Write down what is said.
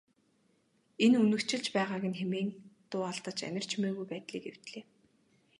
Энэ үнэгчилж байгааг нь хэмээн дуу алдаж анир чимээгүй байдлыг эвдлээ.